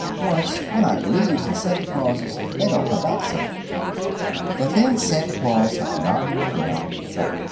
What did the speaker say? Once, when I believes in Santy Clauses, they don't come back so much." The thin Santa Claus had not gone far.